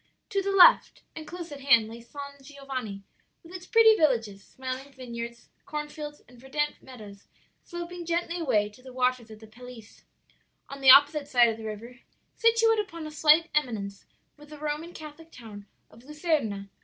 "To the left, and close at hand, lay San Giovanni, with its pretty villages, smiling vineyards, cornfields and verdant meadows sloping gently away to the waters of the Pelice. On the opposite side of the river, situate upon a slight eminence was the Roman Catholic town of Luserna.